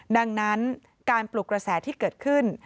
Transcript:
ดังนั้นการปลุกกระแสที่เกิดขึ้น